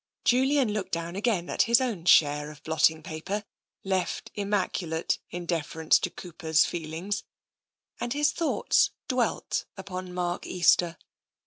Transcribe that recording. Julian looked down again at his own share of blot ting paper, left immaculate in deference to Cooper's feelings, and his thoughts dwelt upon Mark Easter.